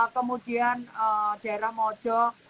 kemudian daerah mojo